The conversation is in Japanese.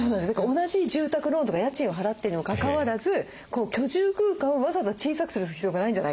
同じ住宅ローンとか家賃を払っているにもかかわらず居住空間をわざわざ小さくする必要がないんじゃないかと。